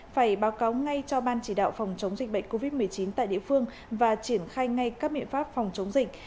phải báo cáo ngay cho ban chỉ đạo phòng chống dịch bệnh covid một mươi chín tại địa phương và triển khai ngay các biện pháp phòng chống dịch